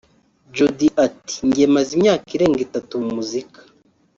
Jody ati “ Njye maze imyaka irenga itatu mu muzika